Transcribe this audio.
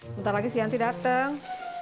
bentar lagi sianti dateng